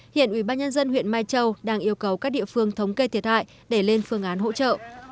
hiện ubnd huyện mai châu đang yêu cầu các địa phương thống kê thiệt hại để lên phương án hỗ trợ